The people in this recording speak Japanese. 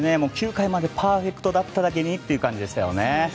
９回までパーフェクトだっただけにという感じでしたね。